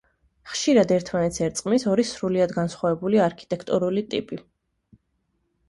ხშირად ერთმანეთს ერწყმის ორი სრულიად განსხვავებული არქიტექტურული ტიპი.